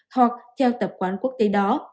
hoặc theo tập quán quốc tế đó